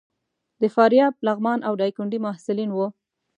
د فاریاب، لغمان او ډایکنډي محصلین وو.